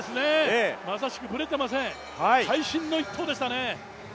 まさしくぶれていません会心の一投でしたね。